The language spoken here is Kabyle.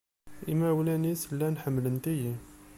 Imawlan-nnes llan ḥemmlent-iyi.